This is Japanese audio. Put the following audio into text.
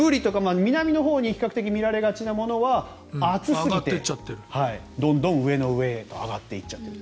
南のほうに比較的に見られがちなのは熱すぎて、どんどん上の上へと上がっていっちゃっている。